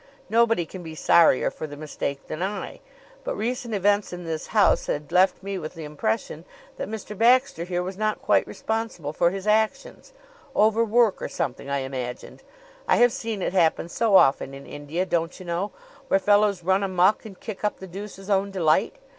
Nobody can be sorrier for the mistake than I; but recent events in this house had left me with the impression that Mr. Baxter here was not quite responsible for his actions overwork or something, I imagined. I have seen it happen so often in India, don't you know, where fellows run amuck and kick up the deuce's own delight.